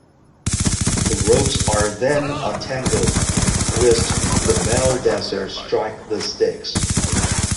The ropes are then untangled whilst the male dancers strike the sticks.